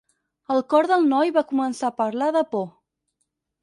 El cor del noi va començar a parlar de por.